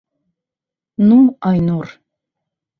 Ну Айнур!..